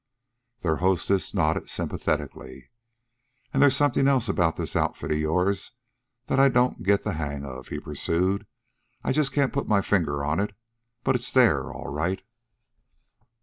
Their hostess nodded sympathetically. "An' there's something else about this outfit of yourn that I don't get the hang of," he pursued. "I can't just put my finger on it, but it's there all right."